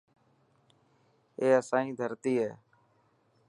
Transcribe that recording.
اي اسائي ڌرتي هي.